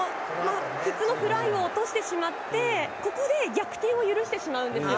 普通のフライを落としてしまってここで逆転を許してしまうんですよ。